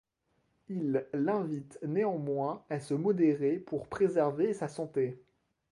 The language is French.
Il l'invite néanmoins à se modérer pour préserver sa santé.